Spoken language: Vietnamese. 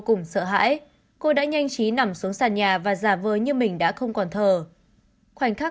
cùng sợ hãi cô đã nhanh chí nằm xuống sàn nhà và già vời như mình đã không còn thờ khoảnh khắc